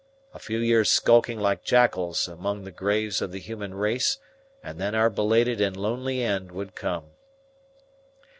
A few years' skulking like jackals among the graves of the human race and then our belated and lonely end would come.